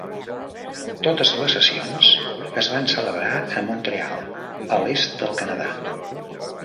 Totes les sessions es van celebrar a Montreal, a l'est del Canadà.